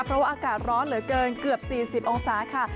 เพราะว่าอากาศร้อนเหลือเกินเกือบ๔๐องศาค่ะ